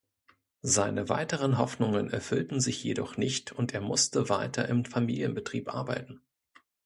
Seine weiteren Hoffnungen erfüllten sich jedoch nicht und er musste weiter im Familienbetrieb arbeiten.